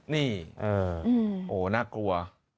นี่โอ้โหน่ากลัว